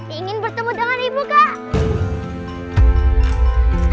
ingin bertemu dengan ibu kak